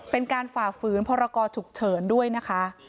เป็นการฝ่าฝืนพรกรฉุกเฉินด้วยนะคะ